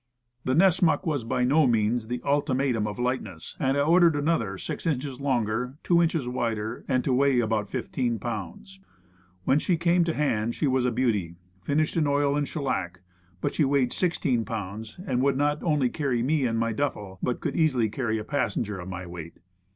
The Nessmuk was by no means the ultimatum of lightness, and I ordered another, six inches longer, two inches wider, and to weigh about 15 pounds. When she came to hand she was a beauty, finished in oil and shellac. But she weighed 16 pounds, and would not only carry me and my duffle, but I could easily carry a passenger of my weight.